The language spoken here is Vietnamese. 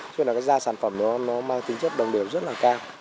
chứ là cái da sản phẩm nó mang tính chất đồng đều rất là cao